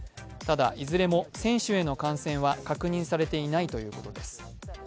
ただ、いずれも選手への感染は確認されていないということです。